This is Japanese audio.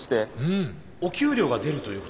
お給料が出るということですか？